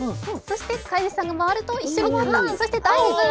そして飼い主さんが回ると、一緒にターン、そしてダイブ。